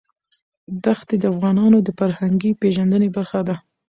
ښتې د افغانانو د فرهنګي پیژندنې برخه ده.